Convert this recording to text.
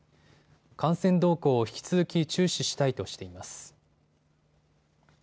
感染動向を引き続き注視したいとしています。